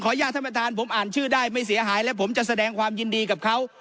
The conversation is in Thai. ขอโยชน์ธผมอ่านชื่อได้ไม่เสียหายและผมจะแสดงความยินดีกับเขา